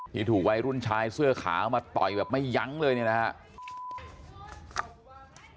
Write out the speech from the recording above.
ถูกวัยรุ่นชายเสื้อขาวมาต่อยแบบไม่ยั้งเลยเนี่ยนะครับ